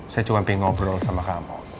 saya cuma pengen ngobrol sama kamu